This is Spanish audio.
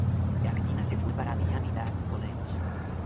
De Argentina se fue para Miami Dade College.